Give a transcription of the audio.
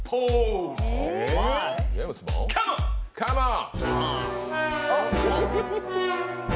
カモン！